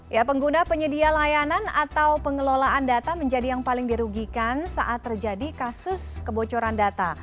ya pengguna penyedia layanan atau pengelolaan data menjadi yang paling dirugikan saat terjadi kasus kebocoran data